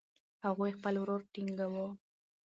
هغوی خپل ورور تنګاوه.